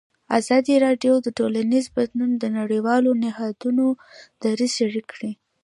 ازادي راډیو د ټولنیز بدلون د نړیوالو نهادونو دریځ شریک کړی.